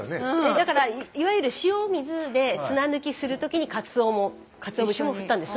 だからいわゆる塩水で砂抜きする時にかつお節も振ったんです。